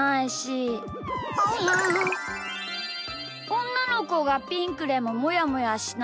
おんなのこがピンクでももやもやしない。